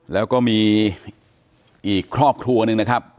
แล้วก็มีอีกครอบครัวหนึ่งนะครับ